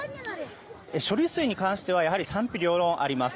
処理水に関しては賛否両論あります。